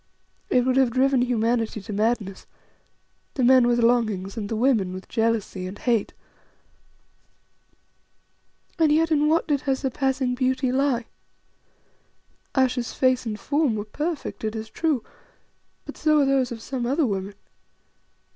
It would have driven humanity to madness: the men with longings and the women with jealousy and hate. And yet in what did her surpassing beauty lie? Ayesha's face and form were perfect, it is true; but so are those of some other women.